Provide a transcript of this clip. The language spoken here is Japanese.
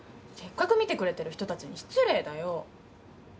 せっかく見てくれてる人たちに失礼だよ。